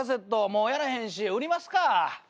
もうやらへんし売りますか。